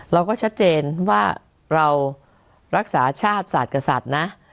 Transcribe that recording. เราก็ชัดเจนว่าเรารักษาชาติสัตว์กับสัตว์นะ